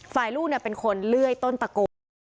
ฝ่ายลูกนะเป็นคนเลื่อยต้นตะโก